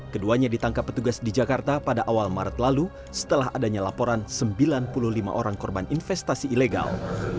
keduanya ditangkap petugas di jakarta pada awal maret lalu setelah adanya laporan sembilan puluh lima orang korban investasi ilegal